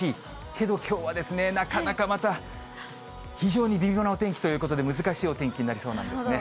けど、きょうはですね、なかなかまた、非常に微妙なお天気ということで、難しいお天気になりそうなんですね。